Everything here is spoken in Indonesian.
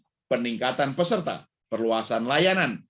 untuk peningkatan peserta perluasan layanan